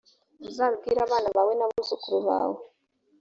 uzabibwire abana bawe n abuzukuru bawe